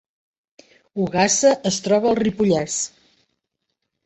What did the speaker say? Ogassa es troba al Ripollès